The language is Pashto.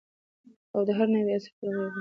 او د هر نوي عصر پر ور بیا ودرېږي